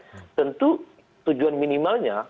dan tentu tujuan minimalnya